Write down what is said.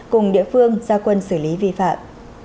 cùng địa phương ra quân xử lý vi phạm